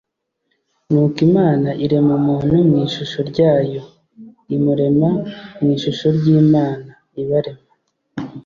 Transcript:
nuko imana irema muntu mu ishusho ryayo, imurema mu ishusho ry'imana ; ibarema